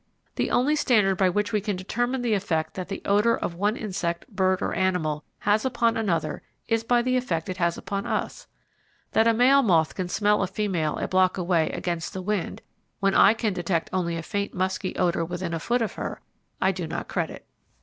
The only standard by which we can determine the effect that the odour of one insect, bird, or animal has upon another is by the effect it has upon us. That a male moth can smell a female a block away, against the wind, when I can detect only a faint musky odour within a foot of her, I do not credit.